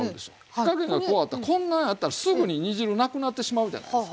火加減がこうあったらこんなんやったらすぐに煮汁なくなってしまうじゃないですか。